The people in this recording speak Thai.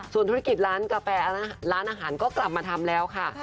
ส่วนธุรกิจร้านกาแฟร้านอาหารก็กลับมาทำแล้วค่ะ